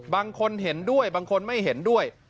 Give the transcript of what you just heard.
บางคนเห็นด้วยบางคนไม่เห็นด้วย